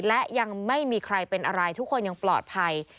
และยังไม่มีใครเป็นอะไรทุกคนยังปลอดภัย